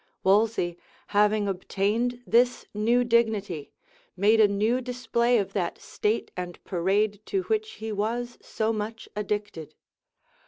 Wolsey, having obtained this new dignity, made a new display of that state and parade to which he was so much addicted.